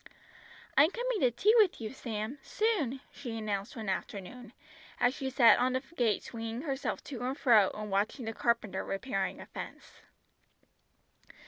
"I'm coming to tea with you, Sam, soon," she announced one afternoon, as she sat on a gate swinging herself to and fro and watching the carpenter repairing a fence.